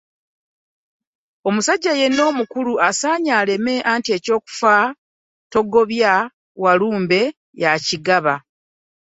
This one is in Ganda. Omusajja yenna omukulu asaanye alaame anti ky'ofa togabye walumbe y'akigaba.